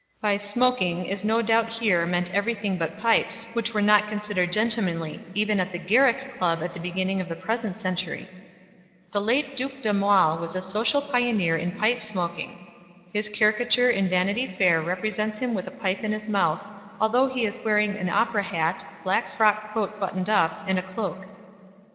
By "smoking" is no doubt here meant everything but pipes, which were not considered gentlemanly even at the Garrick Club at the beginning of the present century. The late Duc d'Aumale was a social pioneer in pipe smoking. His caricature in "Vanity Fair" represents him with a pipe in his mouth, although he is wearing an opera hat, black frock coat buttoned up, and a cloak.